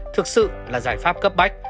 thực sự là giải pháp cấp bách